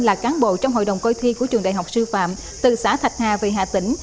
là cán bộ trong hội đồng côi thi của trường đại học sư phạm từ xã thạch hà về hà tĩnh